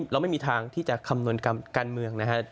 เราไม่มีทางที่จะคำนวณการเมืองนะครับ